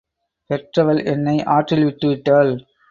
பெற்றவள் என்னை ஆற்றில் விட்டாள்.